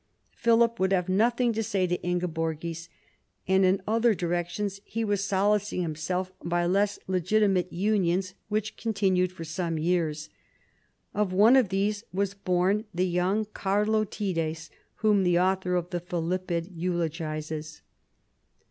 Philip would have nothing to say to Ingeborgis, and in other directions he was solacing himself by less legitimate unions, which continued for some years. Of one of these was born the young " Karlotides," whom the author of the Philippid eulogises.